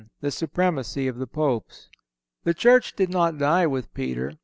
THE SUPREMACY OF THE POPES. The Church did not die with Peter.